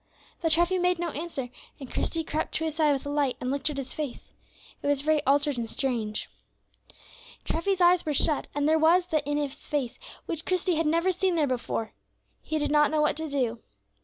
But Treffy made no answer, and Christie crept to his side with a light, and looked at his face. It was very altered and strange. Treffy's eyes were shut, and there was that in his face which Christie had never seen there before. He did not know what to do.